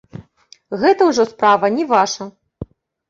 Гэта ўжо справа не ваша.